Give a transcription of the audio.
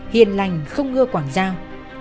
hiền lành không ngưa quảng giao